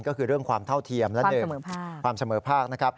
ก็คือเรื่องความเท่าเทียมและ๑ความเสมอภาคนะครับ